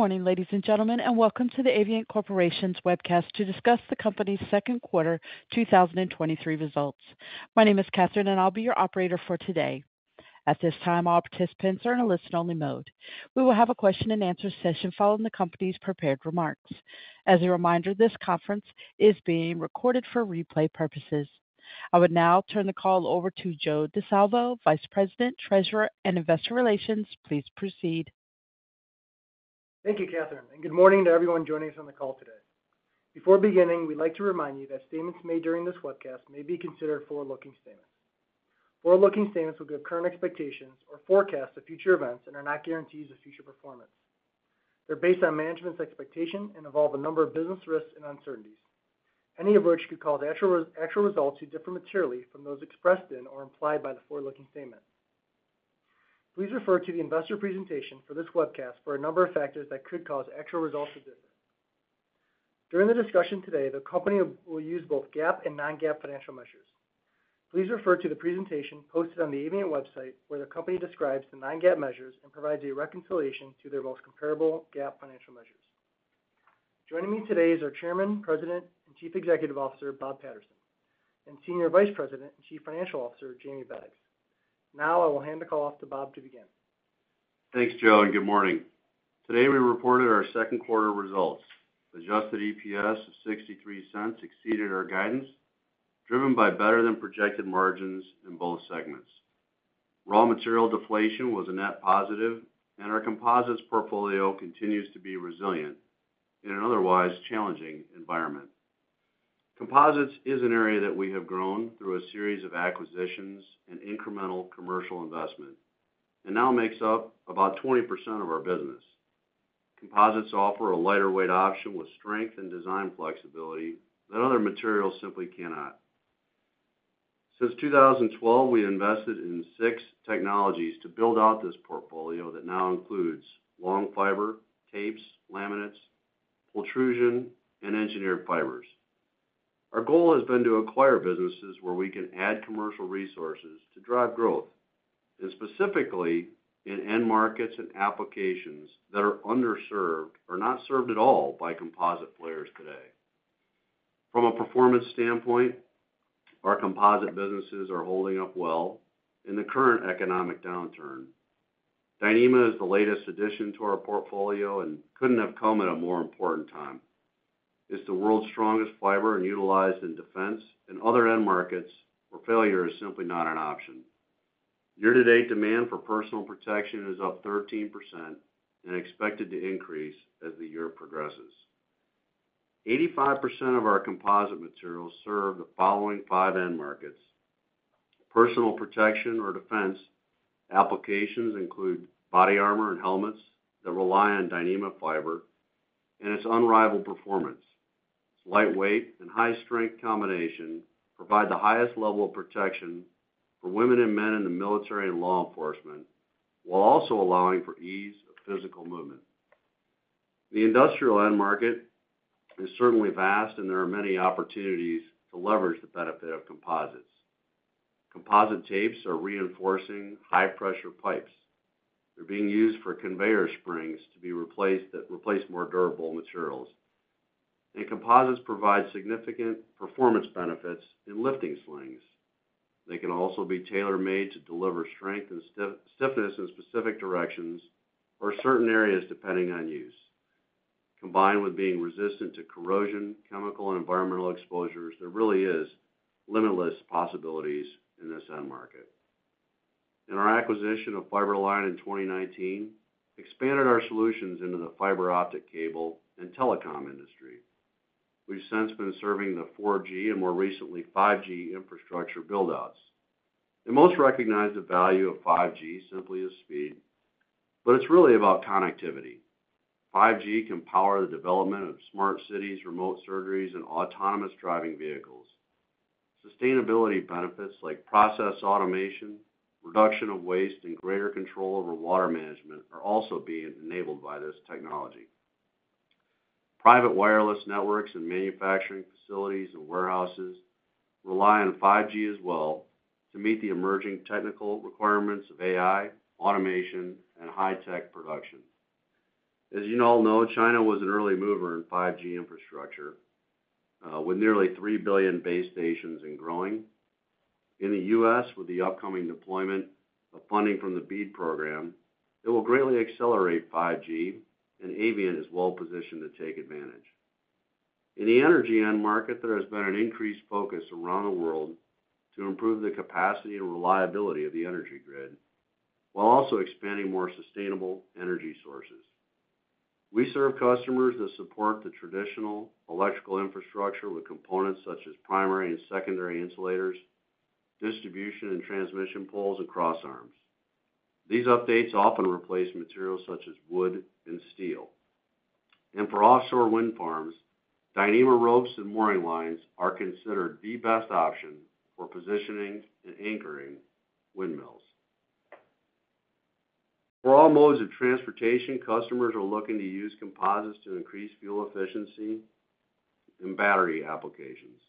Good morning, ladies and gentlemen, welcome to the Avient Corporation's Webcast to discuss the company's second quarter 2023 results. My name is Catherine, I'll be your operator for today. At this time, all participants are in a listen-only mode. We will have a question-and-answer session following the company's prepared remarks. A reminder, this conference is being recorded for replay purposes. I would now turn the call over to Joe Di Salvo, Vice President, Treasurer, and Investor Relations. Please proceed. Thank you, Catherine, and good morning to everyone joining us on the call today. Before beginning, we'd like to remind you that statements made during this webcast may be considered forward-looking statements. Forward-looking statements will give current expectations or forecasts of future events and are not guarantees of future performance. They're based on management's expectations and involve a number of business risks and uncertainties, any of which could cause actual results to differ materially from those expressed in or implied by the forward-looking statements. Please refer to the investor presentation for this webcast for a number of factors that could cause actual results to differ. During the discussion today, the company will use both GAAP and non-GAAP financial measures. Please refer to the presentation posted on the Avient website, where the company describes the non-GAAP measures and provides a reconciliation to their most comparable GAAP financial measures. Joining me today is our Chairman, President, and Chief Executive Officer, Bob Patterson, and Senior Vice President and Chief Financial Officer, Jamie Beggs. Now, I will hand the call off to Bob to begin. Thanks, Joe, and good morning. Today, we reported our second quarter results. Adjusted EPS of $0.63 exceeded our guidance, driven by better-than-projected margins in both segments. Raw material deflation was a net positive, and our composites portfolio continues to be resilient in an otherwise challenging environment. Composites is an area that we have grown through a series of acquisitions and incremental commercial investment and now makes up about 20% of our business. Composites offer a lighter weight option with strength and design flexibility that other materials simply cannot. Since 2012, we invested in six technologies to build out this portfolio that now includes long fiber, tapes, laminates, pultrusion, and engineered fibers. Our goal has been to acquire businesses where we can add commercial resources to drive growth, and specifically in end markets and applications that are underserved or not served at all by composite players today. From a performance standpoint, our composite businesses are holding up well in the current economic downturn. Dyneema is the latest addition to our portfolio and couldn't have come at a more important time. It's the world's strongest fiber and utilized in defense and other end markets, where failure is simply not an option. Year-to-date, demand for personal protection is up 13% and expected to increase as the year progresses. 85% of our composite materials serve the following five end markets. Personal protection or defense. Applications include body armor and helmets that rely on Dyneema fiber and its unrivaled performance. Its lightweight and high-strength combination provide the highest level of protection for women and men in the military and law enforcement, while also allowing for ease of physical movement. The industrial end market is certainly vast, there are many opportunities to leverage the benefit of composites. Composite tapes are reinforcing high-pressure pipes. They're being used for conveyor springs that replace more durable materials. Composites provide significant performance benefits in lifting slings. They can also be tailor-made to deliver strength and stiffness in specific directions or certain areas, depending on use. Combined with being resistant to corrosion, chemical, and environmental exposures, there really is limitless possibilities in this end market. In our acquisition of Fiber-Line in 2019, expanded our solutions into the fiber optic, cable, and telecom industry. We've since been serving the 4G and more recently, 5G infrastructure build-outs. Most recognize the value of 5G simply as speed, but it's really about connectivity. 5G can power the development of smart cities, remote surgeries, and autonomous driving vehicles. Sustainability benefits like process automation, reduction of waste, and greater control over water management are also being enabled by this technology. Private wireless networks and manufacturing facilities and warehouses rely on 5G as well to meet the emerging technical requirements of AI, automation, and high-tech production. As you all know, China was an early mover in 5G infrastructure, with nearly 3 billion base stations and growing. In the U.S., with the upcoming deployment of funding from the BEAD program, it will greatly accelerate 5G, and Avient is well positioned to take advantage. In the energy end market, there has been an increased focus around the world to improve the capacity and reliability of the energy grid, while also expanding more sustainable energy sources. We serve customers that support the traditional electrical infrastructure with components such as primary and secondary insulators, distribution and transmission poles, and crossarms. These updates often replace materials such as wood and steel. For offshore wind farms, Dyneema ropes and mooring lines are considered the best option for positioning and anchoring windmills. For all modes of transportation, customers are looking to use composites to increase fuel efficiency, and battery applications.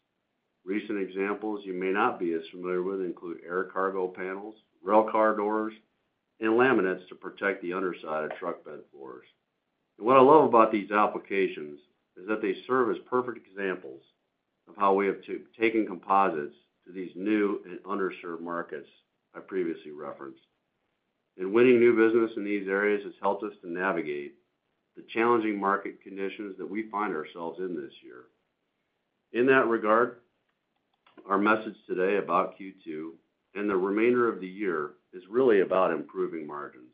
Recent examples you may not be as familiar with include air cargo panels, rail car doors, and laminates to protect the underside of truck bed floors. What I love about these applications is that they serve as perfect examples of how we have taken composites to these new and underserved markets I previously referenced. Winning new business in these areas has helped us to navigate the challenging market conditions that we find ourselves in this year. In that regard, our message today about Q2 and the remainder of the year is really about improving margins,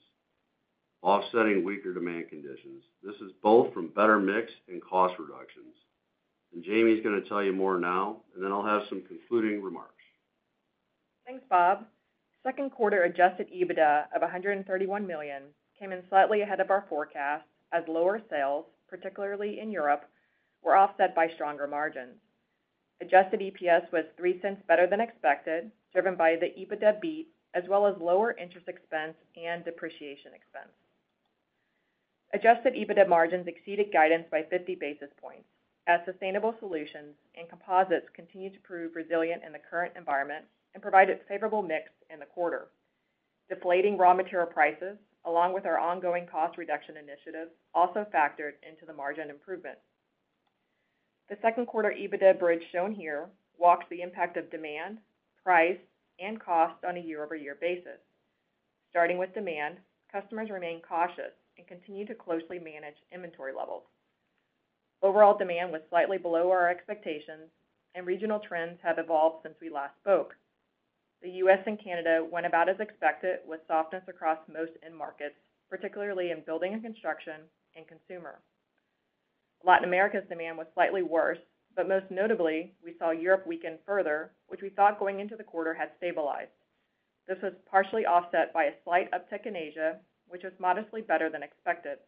offsetting weaker demand conditions. This is both from better mix and cost reductions. Jamie is going to tell you more now, and then I'll have some concluding remarks. Thanks, Bob. Second quarter Adjusted EBITDA of $131 million came in slightly ahead of our forecast, as lower sales, particularly in Europe, were offset by stronger margins. Adjusted EPS was $0.03 better than expected, driven by the EBITDA beat, as well as lower interest expense and depreciation expense. Adjusted EBITDA margins exceeded guidance by 50 basis points, as Sustainable Solutions and Composites continued to prove resilient in the current environment and provided favorable mix in the quarter. Deflating raw material prices, along with our ongoing cost reduction initiatives, also factored into the margin improvement. The second quarter EBITDA bridge shown here walks the impact of demand, price, and cost on a year-over-year basis. Starting with demand, customers remain cautious and continue to closely manage inventory levels. Overall demand was slightly below our expectations, and regional trends have evolved since we last spoke. The U.S. and Canada went about as expected, with softness across most end markets, particularly in building and construction, and consumer. Latin America's demand was slightly worse, but most notably, we saw Europe weaken further, which we thought going into the quarter had stabilized. This was partially offset by a slight uptick in Asia, which was modestly better than expected.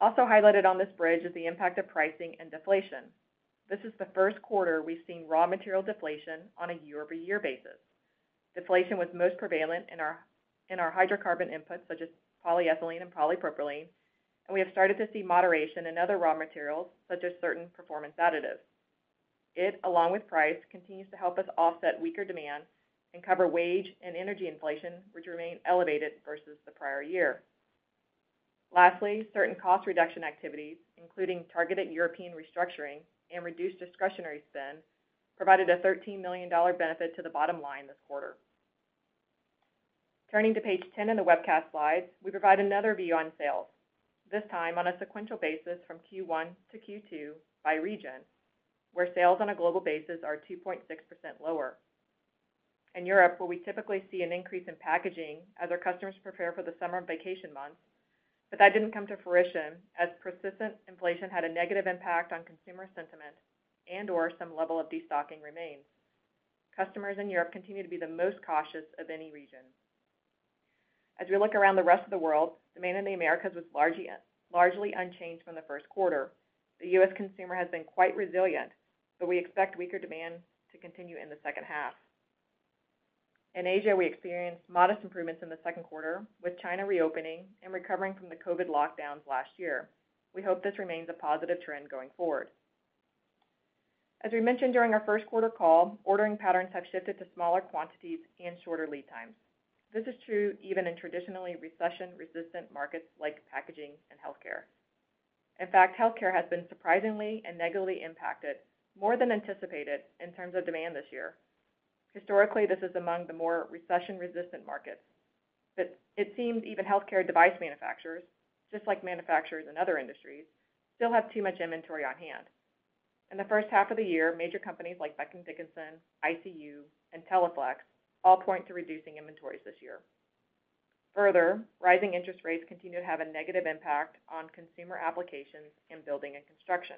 Also highlighted on this bridge is the impact of pricing and deflation. This is the first quarter we've seen raw material deflation on a year-over-year basis. Deflation was most prevalent in our hydrocarbon inputs, such as polyethylene and polypropylene, and we have started to see moderation in other raw materials, such as certain performance additives. It, along with price, continues to help us offset weaker demand and cover wage and energy inflation, which remain elevated versus the prior year. Lastly, certain cost reduction activities, including targeted European restructuring and reduced discretionary spend, provided a $13 million benefit to the bottom line this quarter. Turning to page 10 in the webcast slides, we provide another view on sales, this time on a sequential basis from Q1 to Q2 by region, where sales on a global basis are 2.6% lower. In Europe, where we typically see an increase in packaging as our customers prepare for the summer vacation months, that didn't come to fruition as persistent inflation had a negative impact on consumer sentiment and/or some level of destocking remains. Customers in Europe continue to be the most cautious of any region. As we look around the rest of the world, demand in the Americas was largely unchanged from the 1st quarter. The U.S. consumer has been quite resilient, but we expect weaker demand to continue in the second half. In Asia, we experienced modest improvements in the second quarter, with China reopening and recovering from the COVID lockdowns last year. We hope this remains a positive trend going forward. As we mentioned during our first quarter call, ordering patterns have shifted to smaller quantities and shorter lead times. This is true even in traditionally recession-resistant markets like packaging and healthcare. In fact, healthcare has been surprisingly and negatively impacted, more than anticipated in terms of demand this year. Historically, this is among the more recession-resistant markets, but it seems even healthcare device manufacturers, just like manufacturers in other industries, still have too much inventory on hand. In the first half of the year, major companies like Becton Dickinson, ICU, and Teleflex all point to reducing inventories this year. Further, rising interest rates continue to have a negative impact on consumer applications in building and construction.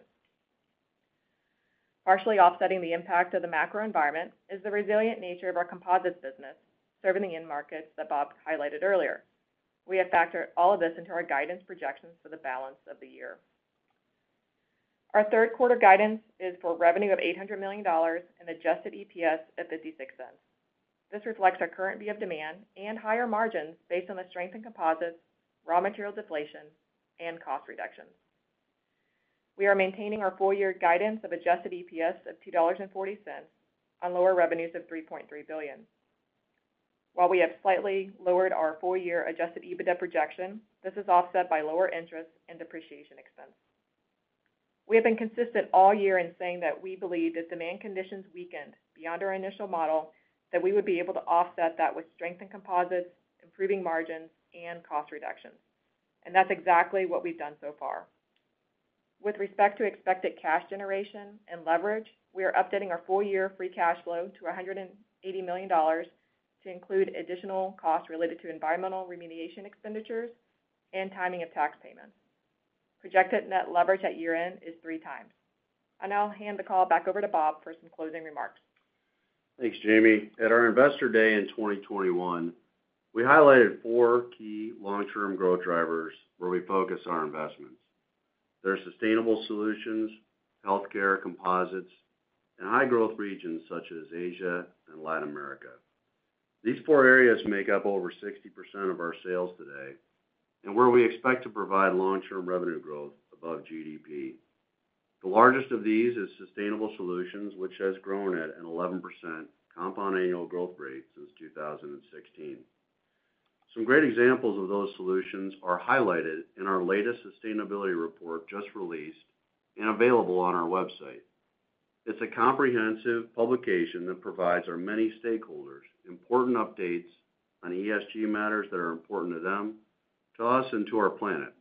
Partially offsetting the impact of the macro environment is the resilient nature of our composites business, serving the end markets that Bob highlighted earlier. We have factored all of this into our guidance projections for the balance of the year. Our third quarter guidance is for revenue of $800 million and Adjusted EPS at $0.56. This reflects our current view of demand and higher margins based on the strength in composites, raw material deflation, and cost reductions. We are maintaining our full year guidance of Adjusted EPS of $2.40 on lower revenues of $3.3 billion. While we have slightly lowered our full-year Adjusted EBITDA projection, this is offset by lower interest and depreciation expense. We have been consistent all year in saying that we believe if demand conditions weaken beyond our initial model, that we would be able to offset that with strength in composites, improving margins, and cost reductions. That's exactly what we've done so far. With respect to expected cash generation and leverage, we are updating our full-year free cash flow to $180 million to include additional costs related to environmental remediation expenditures and timing of tax payments. Projected net leverage at year-end is 3x. I now hand the call back over to Bob for some closing remarks. Thanks, Jamie. At our Investor Day in 2021, we highlighted four key long-term growth drivers where we focus our investments. They are Sustainable Solutions, healthcare, composites, and high-growth regions such as Asia and Latin America. These four areas make up over 60% of our sales today, and where we expect to provide long-term revenue growth above GDP. The largest of these is Sustainable Solutions, which has grown at an 11% compound annual growth rate since 2016. Some great examples of those solutions are highlighted in our latest sustainability report, just released and available on our website. It's a comprehensive publication that provides our many stakeholders important updates on ESG matters that are important to them, to us, and to our planet.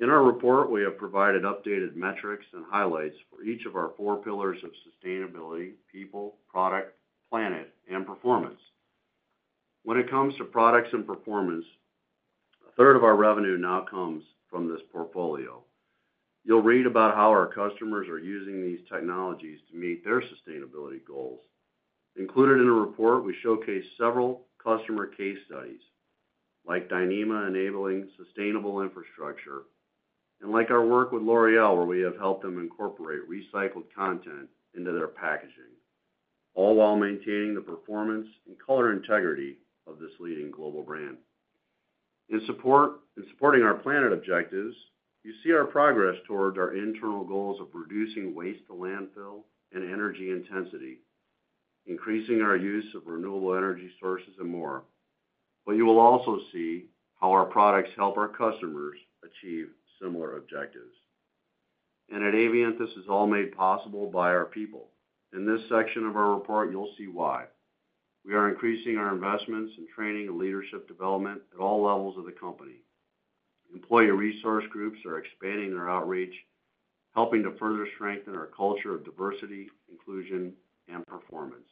In our report, we have provided updated metrics and highlights for each of our four pillars of sustainability: people, product, planet, and performance. When it comes to products and performance, a third of our revenue now comes from this portfolio. You'll read about how our customers are using these technologies to meet their sustainability goals. Included in the report, we showcase several customer case studies, like Dyneema enabling sustainable infrastructure, and like our work with L'Oréal, where we have helped them incorporate recycled content into their packaging, all while maintaining the performance and color integrity of this leading global brand. In supporting our planet objectives, you see our progress towards our internal goals of reducing waste to landfill and energy intensity, increasing our use of renewable energy sources and more. You will also see how our products help our customers achieve similar objectives. At Avient, this is all made possible by our people. In this section of our report, you'll see why. We are increasing our investments in training and leadership development at all levels of the company. Employee resource groups are expanding their outreach, helping to further strengthen our culture of diversity, inclusion, and performance.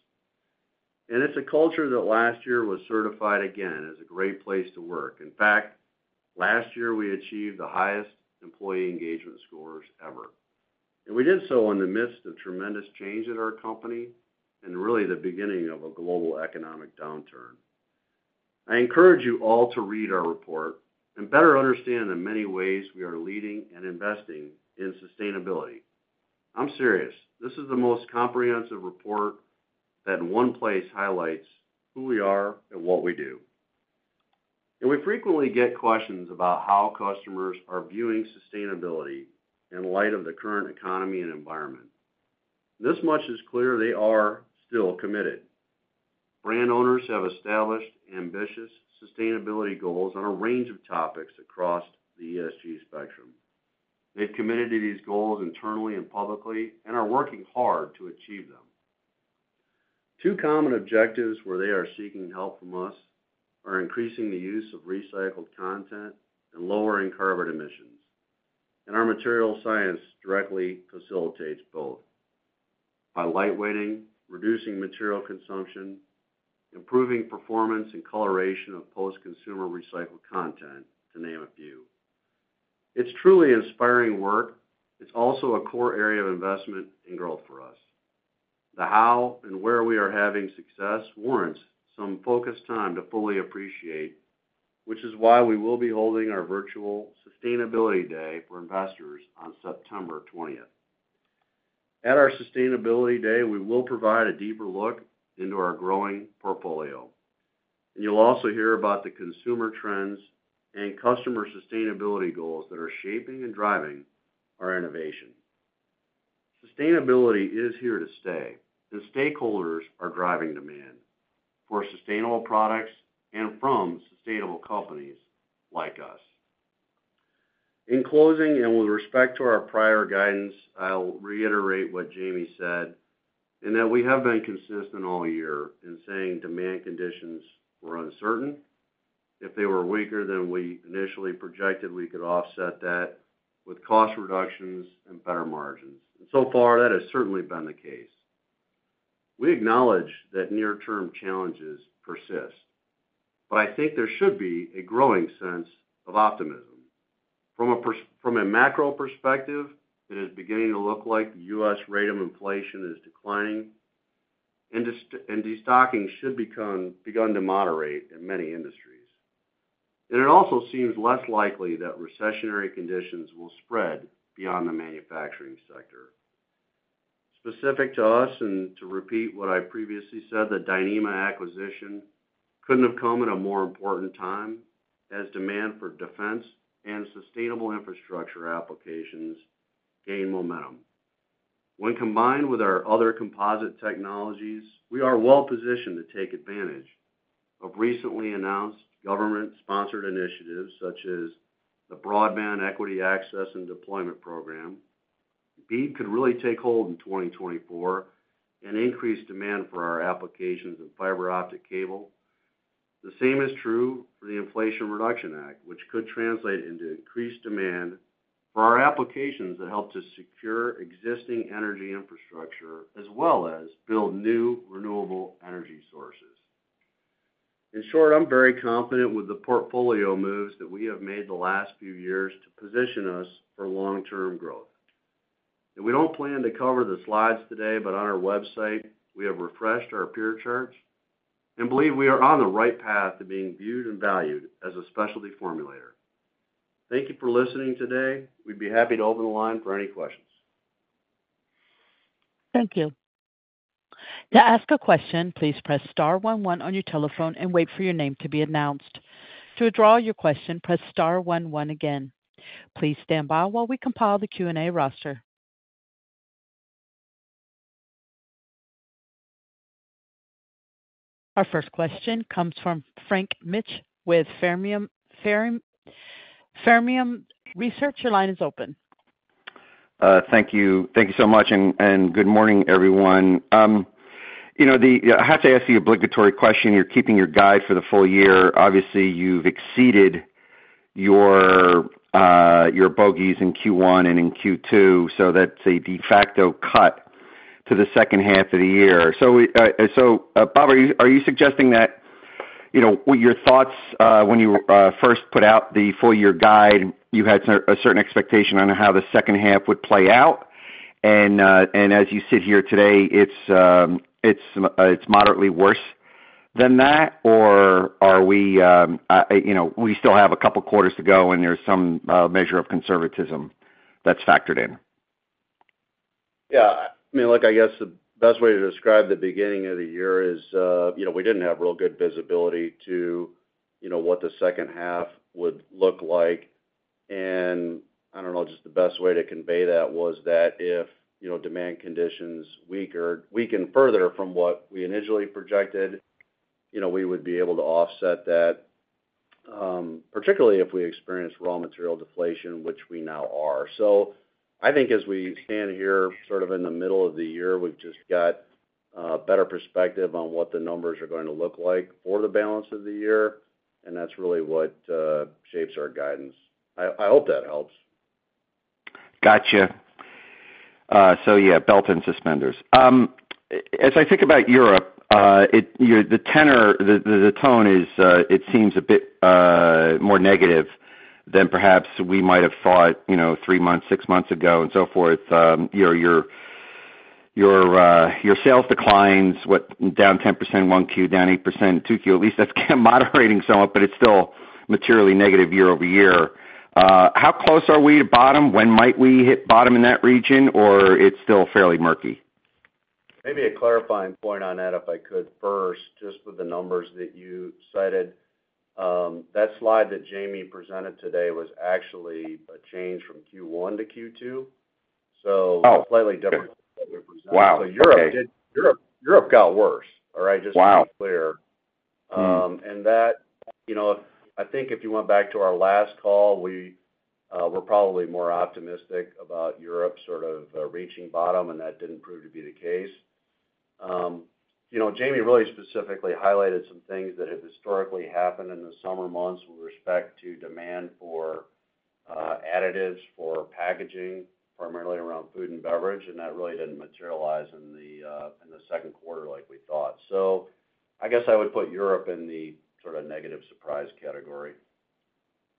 It's a culture that last year was certified again as a great place to work. In fact, last year, we achieved the highest employee engagement scores ever, and we did so in the midst of tremendous change at our company and really the beginning of a global economic downturn. I encourage you all to read our report and better understand the many ways we are leading and investing in sustainability. I'm serious. This is the most comprehensive report that in one place highlights who we are and what we do. We frequently get questions about how customers are viewing sustainability in light of the current economy and environment. This much is clear: they are still committed. Brand owners have established ambitious sustainability goals on a range of topics across the ESG spectrum. They've committed to these goals internally and publicly and are working hard to achieve them. Two common objectives where they are seeking help from us are increasing the use of recycled content and lowering carbon emissions. Our material science directly facilitates both by lightweighting, reducing material consumption, improving performance and coloration of post-consumer recycled content, to name a few. It's truly inspiring work. It's also a core area of investment and growth for us. The how and where we are having success warrants some focused time to fully appreciate, which is why we will be holding our virtual Sustainability Day for investors on September 20th. At our Sustainability Day, we will provide a deeper look into our growing portfolio. You'll also hear about the consumer trends and customer sustainability goals that are shaping and driving our innovation. Sustainability is here to stay, and stakeholders are driving demand for sustainable products and from sustainable companies like us. In closing, and with respect to our prior guidance, I'll reiterate what Jamie said, in that we have been consistent all year in saying demand conditions were uncertain. If they were weaker than we initially projected, we could offset that with cost reductions and better margins. So far, that has certainly been the case. We acknowledge that near-term challenges persist, but I think there should be a growing sense of optimism. From a macro perspective, it is beginning to look like the U.S. rate of inflation is declining and destocking begun to moderate in many industries. It also seems less likely that recessionary conditions will spread beyond the manufacturing sector. Specific to us and to repeat what I previously said, the Dyneema acquisition couldn't have come at a more important time as demand for defense and sustainable infrastructure applications gain momentum. When combined with our other composite technologies, we are well positioned to take advantage of recently announced government-sponsored initiatives, such as the Broadband Equity, Access, and Deployment Program. BEAD could really take hold in 2024 and increase demand for our applications in fiber optic cable. The same is true for the Inflation Reduction Act, which could translate into increased demand for our applications that help to secure existing energy infrastructure, as well as build new renewable energy sources. In short, I'm very confident with the portfolio moves that we have made the last few years to position us for long-term growth. We don't plan to cover the slides today, but on our website, we have refreshed our peer charts and believe we are on the right path to being viewed and valued as a specialty formulator. Thank you for listening today. We'd be happy to open the line for any questions. Thank you. To ask a question, please press star one one on your telephone and wait for your name to be announced. To withdraw your question, press star one one again. Please stand by while we compile the Q&A roster. Our first question comes from Frank Mitsch with Fermium Research. Your line is open. Thank you. Thank you so much, and good morning, everyone. You know, I have to ask the obligatory question. You're keeping your guide for the full year. Obviously, you've exceeded your, your bogeys in Q1 and in Q2, so that's a de facto cut to the second half of the year. Bob, are you suggesting that, you know, your thoughts, when you first put out the full year guide, you had a certain expectation on how the second half would play out, and, as you sit here today, it's moderately worse than that? Are we, you know, we still have a couple quarters to go, and there's some measure of conservatism that's factored in. Yeah, I mean, look, I guess the best way to describe the beginning of the year is, you know, we didn't have real good visibility to, you know, what the second half would look like. I don't know, just the best way to convey that was that if, you know, demand conditions weaken further from what we initially projected, you know, we would be able to offset that, particularly if we experienced raw material deflation, which we now are. I think as we stand here, sort of in the middle of the year, we've just got better perspective on what the numbers are going to look like for the balance of the year, and that's really what shapes our guidance. I, I hope that helps. Gotcha. Yeah, belt and suspenders. As I think about Europe, your the tenor, the tone is, it seems a bit more negative than perhaps we might have thought, you know, three months, six months ago and so forth. You know, your sales declines, what, down 10%, 1Q, down 8%, 2Q, at least that's moderating somewhat, but it's still materially negative year-over-year. How close are we to bottom? When might we hit bottom in that region, or it's still fairly murky? Maybe a clarifying point on that, if I could first, just with the numbers that you cited. That slide that Jamie presented today was actually a change from Q1 to Q2. Oh, okay. Slightly different. Wow, okay. Europe got worse. All right? Wow. Just to be clear. Mm. That, you know, I think if you went back to our last call, we're probably more optimistic about Europe sort of reaching bottom, and that didn't prove to be the case. You know, Jamie really specifically highlighted some things that have historically happened in the summer months with respect to demand for additives, for packaging, primarily around food and beverage, and that really didn't materialize in the second quarter like we thought. I guess I would put Europe in the sort of negative surprise category.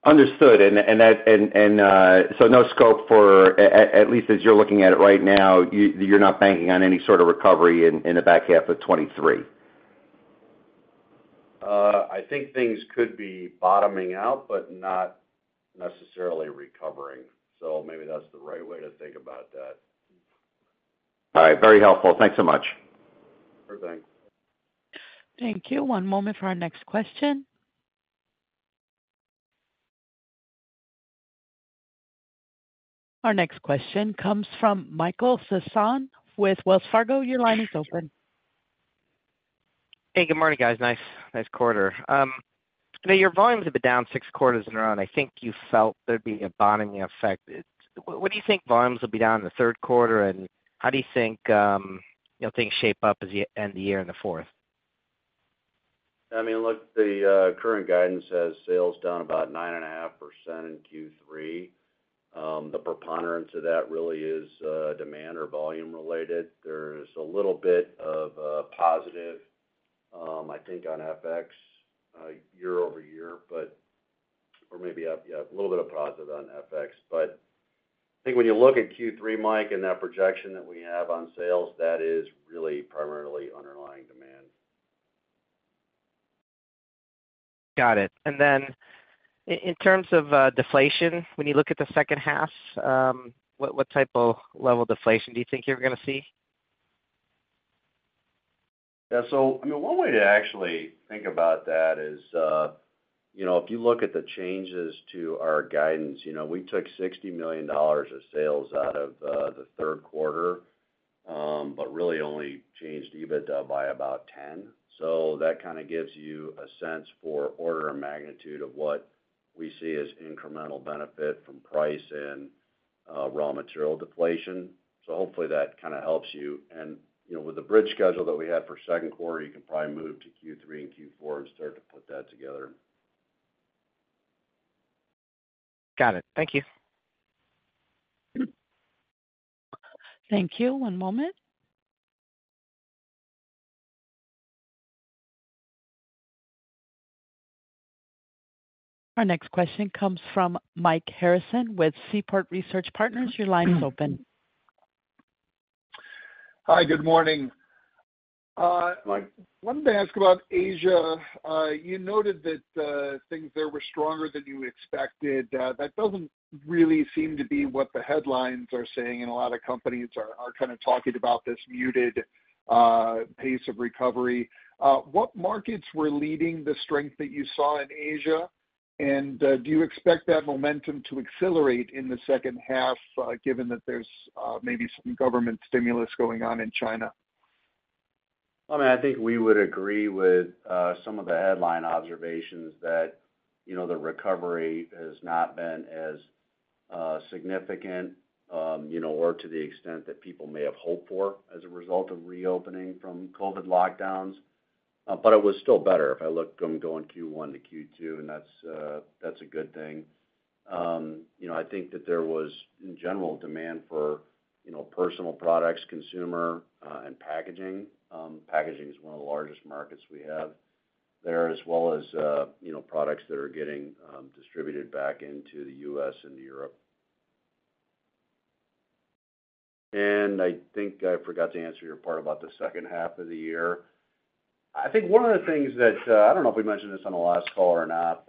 Understood. That, so no scope for, at least as you're looking at it right now, you're not banking on any sort of recovery in the back half of 2023? I think things could be bottoming out, but not necessarily recovering. Maybe that's the right way to think about that. All right. Very helpful. Thanks so much. Sure thing. Thank you. One moment for our next question. Our next question comes from Michael Sison with Wells Fargo. Your line is open. Hey, good morning, guys. Nice, nice quarter. Your volumes have been down six quarters in a row, I think you felt there'd be a bottoming effect. What do you think volumes will be down in the third quarter? How do you think, you know, things shape up as you end the year in the fourth? I mean, look, the current guidance has sales down about 9.5% in Q3. The preponderance of that really is demand or volume related. There's a little bit of positive, I think, on FX year-over-year. I think when you look at Q3, Mike, and that projection that we have on sales, that is really primarily underlying demand. Got it. In terms of deflation, when you look at the second half, what type of level deflation do you think you're gonna see? Yeah. I mean, one way to actually think about that is, you know, if you look at the changes to our guidance, you know, we took $60 million of sales out of the third quarter, but really only changed EBITDA by about 10. That kind of gives you a sense for order and magnitude of what we see as incremental benefit from price and raw material deflation. Hopefully that kind of helps you. You know, with the bridge schedule that we have for second quarter, you can probably move to Q3 and Q4 and start to put that together. Got it. Thank you. Thank you. One moment. Our next question comes from Michael Harrison with Seaport Research Partners. Your line is open. Hi, good morning. I wanted to ask about Asia. You noted that things there were stronger than you expected. That doesn't really seem to be what the headlines are saying, and a lot of companies are kind of talking about this muted pace of recovery. What markets were leading the strength that you saw in Asia? Do you expect that momentum to accelerate in the second half, given that there's maybe some government stimulus going on in China? I mean, I think we would agree with some of the headline observations that, you know, the recovery has not been as significant, you know, or to the extent that people may have hoped for as a result of reopening from COVID lockdowns. It was still better if I look going Q1 to Q2, and that's a good thing. You know, I think that there was, in general, demand for, you know, personal products, consumer, and packaging. Packaging is one of the largest markets we have there, as well as, you know, products that are getting distributed back into the U.S. and Europe. I think I forgot to answer your part about the second half of the year. I think one of the things that, I don't know if we mentioned this on the last call or not,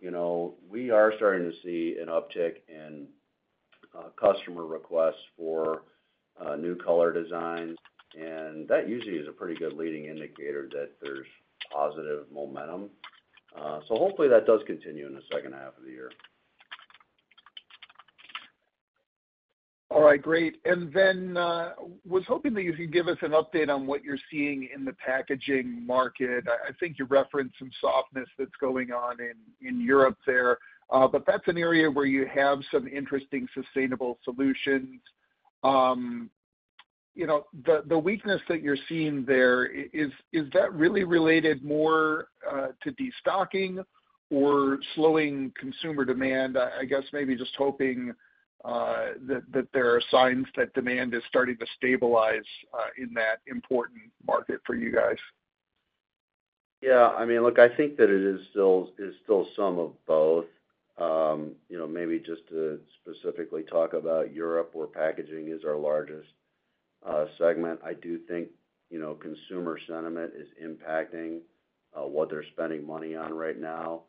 you know, we are starting to see an uptick in customer requests for new color designs, and that usually is a pretty good leading indicator that there's positive momentum. Hopefully, that does continue in the second half of the year. All right, great. Then, was hoping that you could give us an update on what you're seeing in the packaging market. I think you referenced some softness that's going on in Europe there. That's an area where you have some interesting Sustainable Solutions. You know, the weakness that you're seeing there, is that really related more to destocking or slowing consumer demand? I guess maybe just hoping that there are signs that demand is starting to stabilize in that important market for you guys. Yeah, I mean, look, I think that it is still, it is still some of both. You know, maybe just to specifically talk about Europe, where packaging is our largest segment. I do think, you know, consumer sentiment is impacting what they're spending money on right now.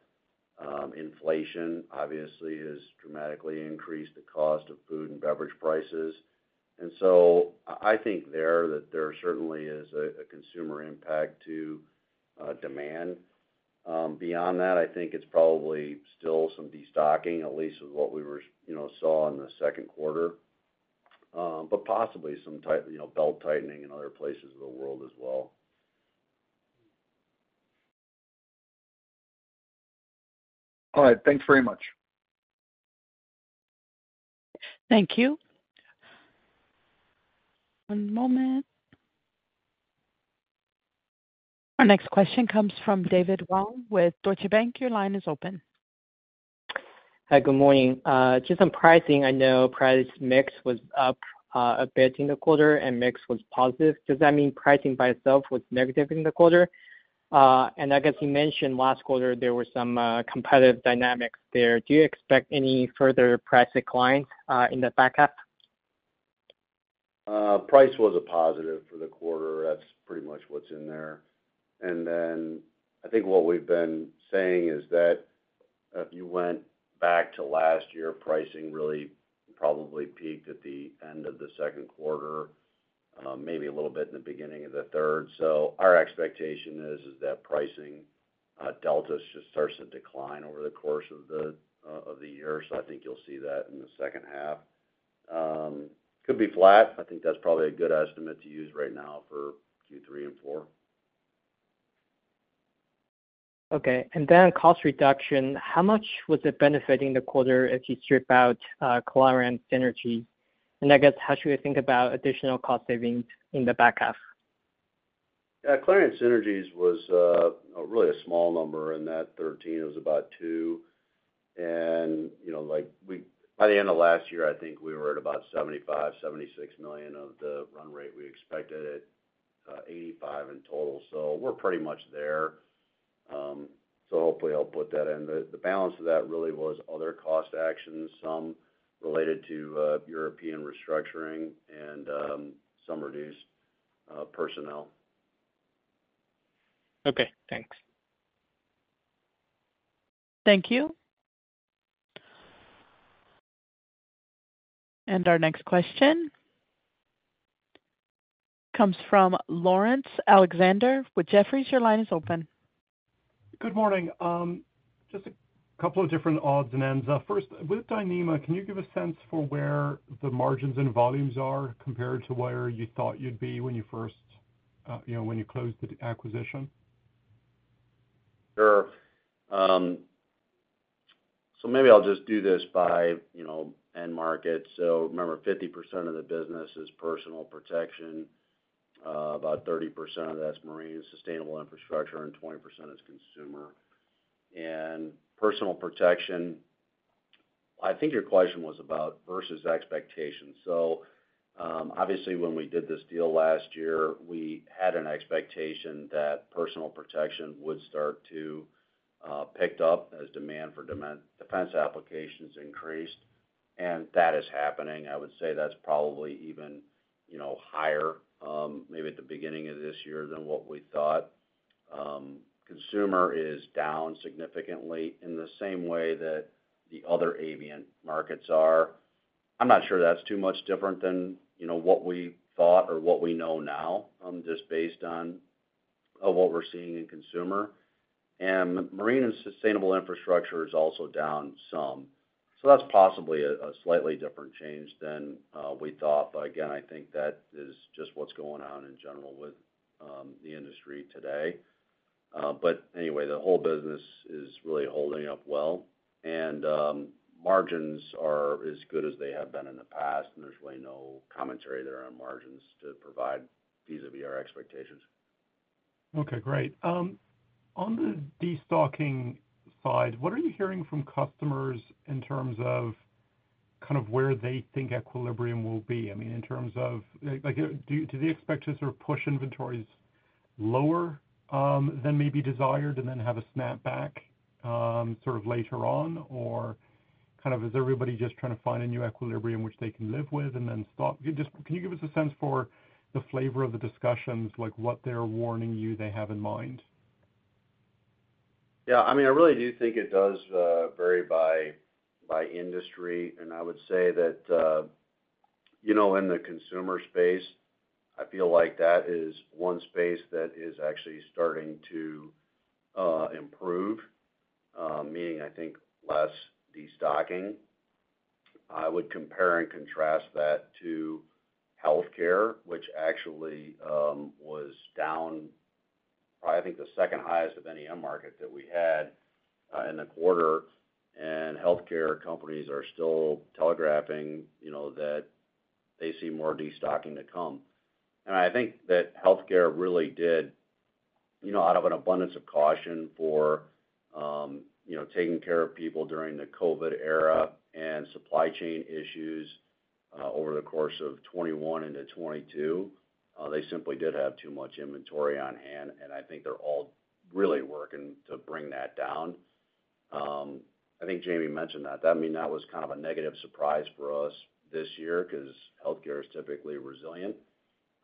Inflation, obviously, has dramatically increased the cost of food and beverage prices. I, I think there, that there certainly is a consumer impact to demand. Beyond that, I think it's probably still some destocking, at least with what we were, you know, saw in the second quarter, but possibly some belt-tightening in other places of the world as well. All right. Thanks very much. Thank you. One moment. Our next question comes from David Huang with Deutsche Bank. Your line is open. Hi, good morning. just on pricing, I know price mix was up a bit in the quarter and mix was positive. Does that mean pricing by itself was negative in the quarter? I guess you mentioned last quarter there were some competitive dynamics there. Do you expect any further price declines in the back half? Price was a positive for the quarter. That's pretty much what's in there. I think what we've been saying is that if you went back to last year, pricing really probably peaked at the end of the second quarter, maybe a little bit in the beginning of the third. Our expectation is, is that pricing delta just starts to decline over the course of the year. I think you'll see that in the second half. Could be flat. I think that's probably a good estimate to use right now for Q3 and 4. Cost reduction, how much was it benefiting the quarter if you strip out Clariant synergy? How should we think about additional cost savings in the back half? Yeah, Clariant synergies was really a small number in that $13 million. It was about $2 million. You know, like, by the end of last year, I think we were at about $75 million-$76 million of the run rate. We expected it $85 million in total, so we're pretty much there. Hopefully I'll put that in. The balance of that really was other cost actions, some related to European restructuring and some reduced personnel. Okay, thanks. Thank you. Our next question comes from Laurence Alexander with Jefferies. Your line is open. Good morning. Just a couple of different odds and ends. First, with Dyneema, can you give a sense for where the margins and volumes are compared to where you thought you'd be when you first, you know, when you closed the acquisition? Sure. Maybe I'll just do this by, you know, end market. Remember, 50% of the business is personal protection, about 30% of that's marine and sustainable infrastructure, and 20% is consumer. Personal protection, I think your question was about versus expectations. Obviously, when we did this deal last year, we had an expectation that personal protection would start to pick up as demand for defense applications increased. That is happening. I would say that's probably even, you know, higher, maybe at the beginning of this year than what we thought. Consumer is down significantly in the same way that the other Avient markets are. I'm not sure that's too much different than, you know, what we thought or what we know now, just based on what we're seeing in consumer. Marine and sustainable infrastructure is also down some. That's possibly a slightly different change than we thought. Again, I think that is just what's going on in general with the industry today. Anyway, the whole business is really holding up well, and margins are as good as they have been in the past, and there's really no commentary there on margins to provide vis-à-vis our expectations. Okay, great. On the destocking side, what are you hearing from customers in terms of kind of where they think equilibrium will be? I mean, in terms of, like, do they expect to sort of push inventories lower than maybe desired and then have a snapback sort of later on? Or kind of, is everybody just trying to find a new equilibrium which they can live with and then stop? Just, can you give us a sense for the flavor of the discussions, like what they're warning you they have in mind? Yeah, I mean, I really do think it does vary by industry. I would say that, you know, in the consumer space, I feel like that is one space that is actually starting to improve, meaning, I think, less destocking. I would compare and contrast that to healthcare, which actually was down, I think, the second highest of any end market that we had in the quarter. Healthcare companies are still telegraphing, you know, that they see more destocking to come. I think that healthcare really did, you know, out of an abundance of caution for, you know, taking care of people during the COVID era and supply chain issues over the course of 2021 into 2022, they simply did have too much inventory on hand, and I think they're all really working to bring that down. I think Jamie mentioned that. I mean, that was kind of a negative surprise for us this year, 'cause healthcare is typically resilient.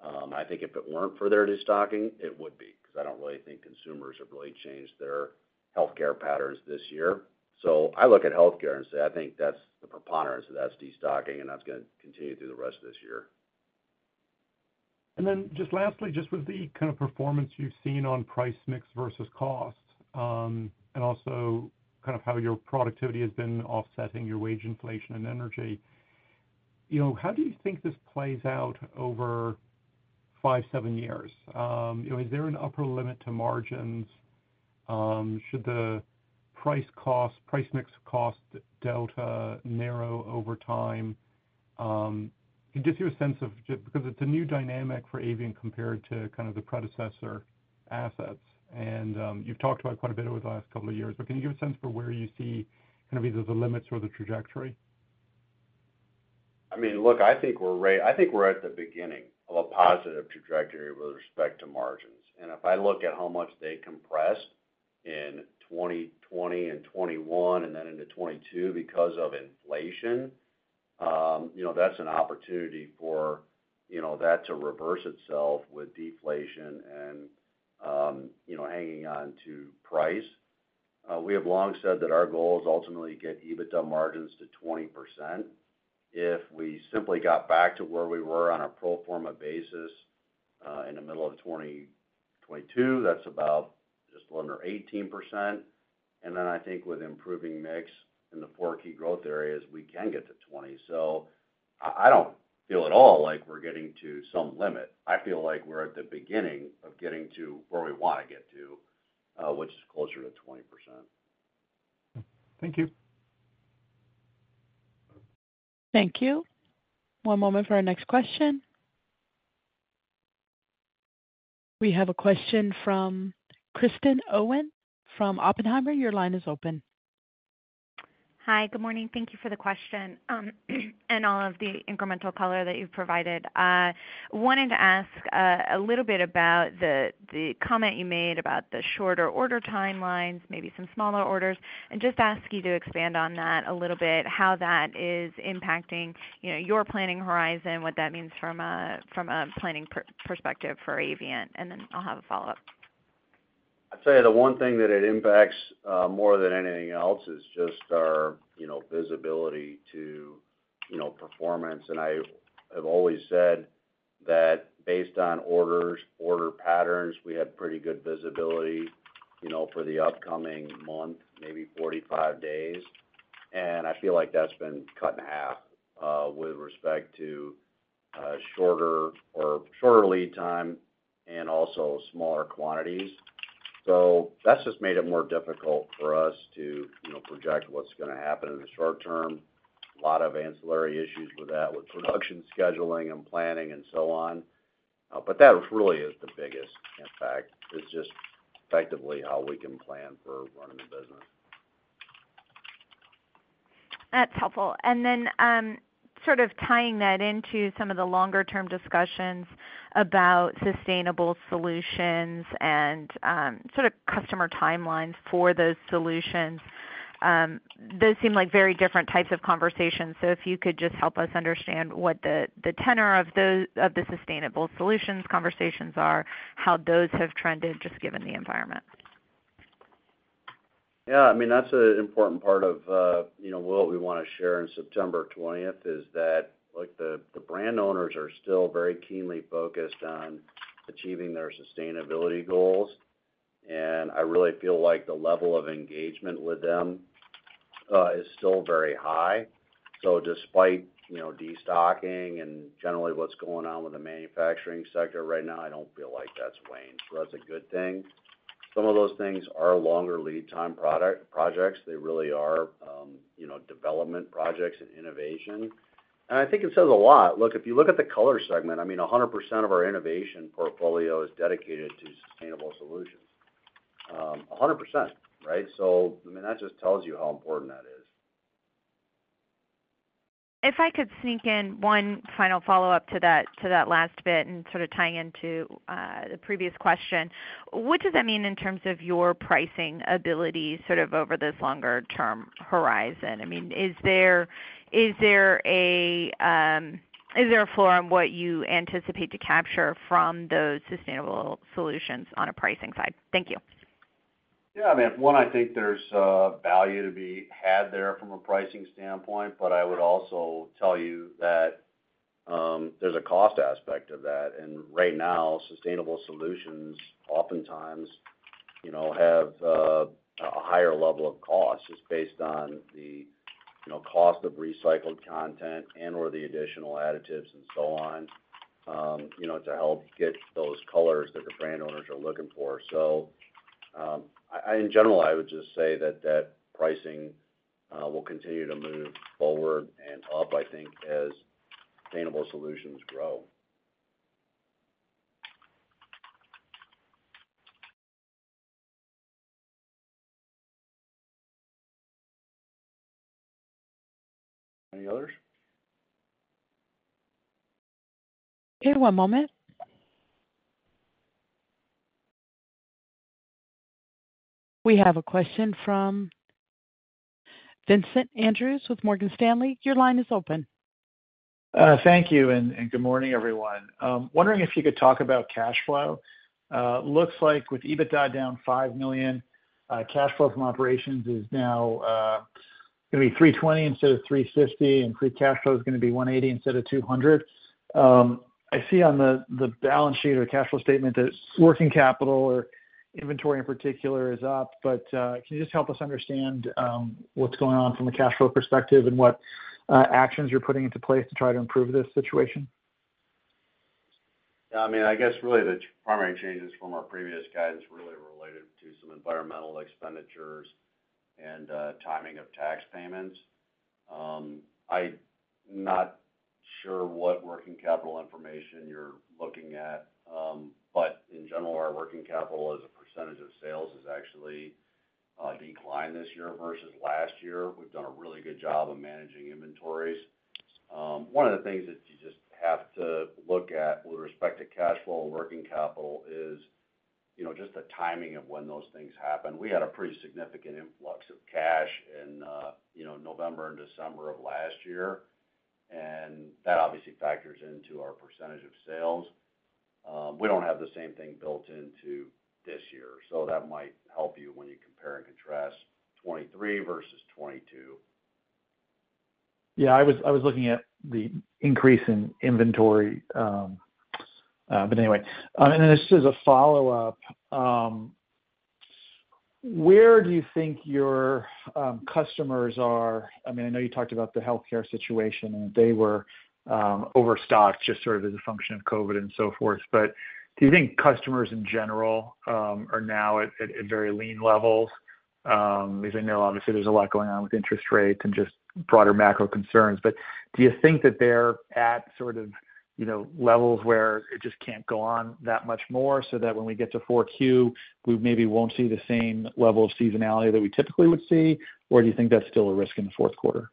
I think if it weren't for their destocking, it would be, 'cause I don't really think consumers have really changed their healthcare patterns this year. I look at healthcare and say, I think that's the preponderance of that destocking, and that's gonna continue through the rest of this year. Lastly, just with the kind of performance you've seen on price mix versus cost, and also kind of how your productivity has been offsetting your wage inflation and energy, you know, how do you think this plays out over five, seven years? You know, is there an upper limit to margins? Should the price mix cost delta narrow over time? Can you give you a sense of, just because it's a new dynamic for Avient compared to kind of the predecessor assets, and you've talked about it quite a bit over the last couple of years, but can you give a sense for where you see kind of either the limits or the trajectory? I mean, look, I think we're at the beginning of a positive trajectory with respect to margins. If I look at how much they compressed in 2020 and 2021, and then into 2022 because of inflation, you know, that's an opportunity for, you know, that to reverse itself with deflation and, you know, hanging on to price. We have long said that our goal is ultimately get EBITDA margins to 20%. If we simply got back to where we were on a pro forma basis, in the middle of 2022, that's about just a little under 18%. Then I think with improving mix in the four key growth areas, we can get to 20. I don't feel at all like we're getting to some limit. I feel like we're at the beginning of getting to where we want to get to, which is closer to 20%. Thank you. Thank you. One moment for our next question. We have a question from Kristen Owen from Oppenheimer. Your line is open. Hi, good morning. Thank you for the question, and all of the incremental color that you've provided. Wanted to ask a little bit about the comment you made about the shorter order timelines, maybe some smaller orders, and just ask you to expand on that a little bit, how that is impacting, you know, your planning horizon, what that means from a planning perspective for Avient, and then I'll have a follow-up. I'd say the one thing that it impacts more than anything else is just our, you know, visibility to, you know, performance. I have always said that based on orders, order patterns, we have pretty good visibility, you know, for the upcoming month, maybe 45 days. I feel like that's been cut in half with respect to shorter lead time and also smaller quantities. That's just made it more difficult for us to, you know, project what's gonna happen in the short term. A lot of ancillary issues with that, with production scheduling and planning and so on. That really is the biggest impact. It's just effectively how we can plan for running the business. That's helpful. Then, sort of tying that into some of the longer-term discussions about Sustainable Solutions and, sort of customer timelines for those solutions. Those seem like very different types of conversations. If you could just help us understand what the, the tenor of those, of the Sustainable Solutions conversations are, how those have trended, just given the environment? Yeah, I mean, that's an important part of, you know, what we wanna share in September 20th, is that, like, the brand owners are still very keenly focused on achieving their sustainability goals, and I really feel like the level of engagement with them is still very high. Despite, you know, destocking and generally what's going on with the manufacturing sector right now, I don't feel like that's waned, so that's a good thing. Some of those things are longer lead time projects. They really are, you know, development projects and innovation. I think it says a lot. Look, if you look at the Color segment, I mean, 100% of our innovation portfolio is dedicated to Sustainable Solutions. 100%, right? I mean, that just tells you how important that is. If I could sneak in one final follow-up to that last bit, and sort of tying into the previous question, what does that mean in terms of your pricing ability, sort of over this longer-term horizon? I mean, is there a floor on what you anticipate to capture from those Sustainable Solutions on a pricing side? Thank you. I mean, one, I think there's value to be had there from a pricing standpoint, but I would also tell you that there's a cost aspect to that. Right now, Sustainable Solutions oftentimes, you know, have a higher level of cost, just based on the, you know, cost of recycled content and/or the additional additives and so on, you know, to help get those colors that the brand owners are looking for. In general, I would just say that pricing will continue to move forward and up, I think, as Sustainable Solutions grow. Any others? Okay, one moment. We have a question from Vincent Andrews with Morgan Stanley. Your line is open. Thank you, and good morning, everyone. Wondering if you could talk about cash flow. Looks like with EBITDA down $5 million, cash flow from operations is now gonna be $320 instead of $350, and free cash flow is gonna be $180 instead of $200. I see on the balance sheet or cash flow statement that working capital or inventory, in particular, is up. Can you just help us understand what's going on from a cash flow perspective and what actions you're putting into place to try to improve this situation? Yeah, I mean, I guess really the primary changes from our previous guidance really are related to some environmental expenditures and timing of tax payments. Not sure what working capital information you're looking at, but in general, our working capital as a percentage of sales has actually declined this year versus last year. We've done a really good job of managing inventories. One of the things that you just have to look at with respect to cash flow and working capital is, you know, just the timing of when those things happen. We had a pretty significant influx of cash in, you know, November and December of last year, and that obviously factors into our percentage of sales. We don't have the same thing built into this year, that might help you when you compare and contrast 2023 versus 2022. Yeah, I was looking at the increase in inventory, but anyway. This is a follow-up. Where do you think your customers are? I mean, I know you talked about the healthcare situation, and they were overstocked, just sort of as a function of COVID and so forth, but do you think customers in general are now at very lean levels? I know obviously there's a lot going on with interest rates and just broader macro concerns, but do you think that they're at sort of, you know, levels where it just can't go on that much more, so that when we get to four Q, we maybe won't see the same level of seasonality that we typically would see, or do you think that's still a risk in the fourth quarter?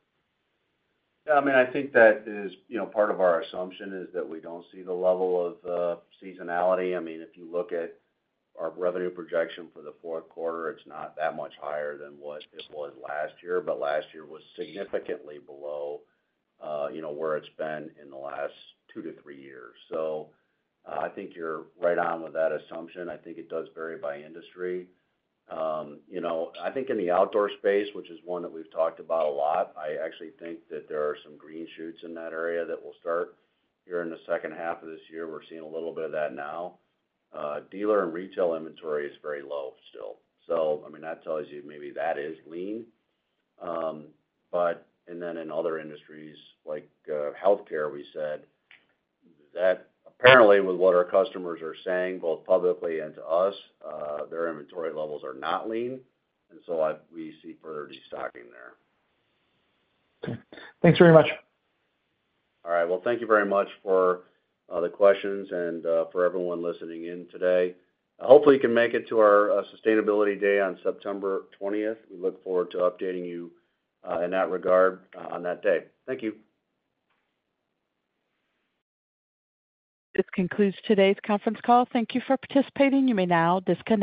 I mean, I think that is, you know, part of our assumption, is that we don't see the level of seasonality. I mean, if you look at our revenue projection for the fourth quarter, it's not that much higher than what it was last year, but last year was significantly below, you know, where it's been in the last two to three years. I think you're right on with that assumption. I think it does vary by industry. You know, I think in the outdoor space, which is one that we've talked about a lot, I actually think that there are some green shoots in that area that will start here in the second half of this year. We're seeing a little bit of that now. Dealer and retail inventory is very low still. I mean, that tells you maybe that is lean. In other industries, like healthcare, we said that apparently, with what our customers are saying, both publicly and to us, their inventory levels are not lean, and so we see further destocking there. Okay. Thanks very much. All right. Well, thank you very much for the questions and for everyone listening in today. Hopefully, you can make it to our sustainability day on September 20th. We look forward to updating you in that regard on that day. Thank you. This concludes today's conference call. Thank you for participating. You may now disconnect.